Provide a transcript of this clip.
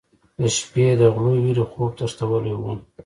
د شپې د غلو وېرې خوب تښتولی و.